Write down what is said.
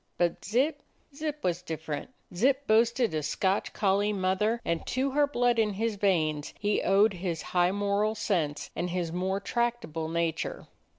But Zip — Zip was different. Zip boasted a Scotch collie mother, and to her blood in his veins he owed his high moral sense and his more tractable nature.